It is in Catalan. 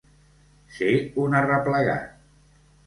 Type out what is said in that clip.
Ser un arreplegat.